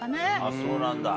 そうなんだ。